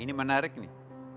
ini menarik nih